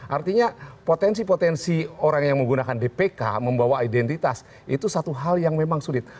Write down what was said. artinya potensi potensi orang yang menggunakan dpk membawa identitas itu satu hal yang memang sulit